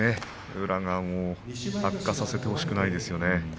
宇良は悪化させてほしくないですね。